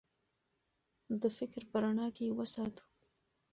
د فکر په رڼا کې یې وساتو.